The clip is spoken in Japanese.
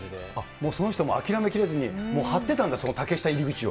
もうその人も諦めきれずにもう張ってたんだ、その竹下入り口を。